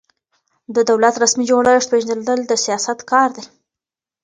د دولت رسمي جوړښت پېژندل د سیاست کار دی.